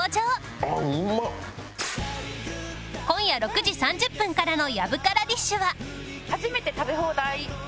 今夜６時３０分からの『やぶからディッシュ』は